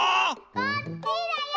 こっちだよ！